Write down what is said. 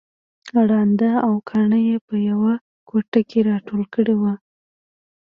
ړانده او کاڼه يې په يوه کوټه کې راټول کړي وو